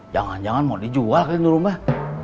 jangan jangan mau dijual ke rumah